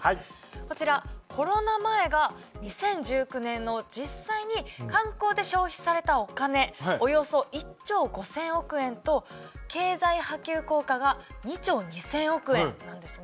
こちらコロナ前が２０１９年の実際に観光で消費されたお金およそ１兆５，０００億円と経済波及効果が２兆２，０００億円なんですね。